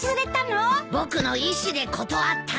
僕の意思で断ったんだ。